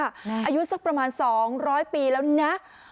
อายุสักประมาณ๒๐๐ปีแล้วนะ